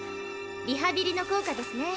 リハビリの効果ですね。